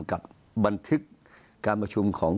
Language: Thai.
กับบันทึกการประชุมของ